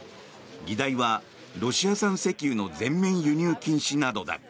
議題はロシア産石油の全面輸入禁止などだ。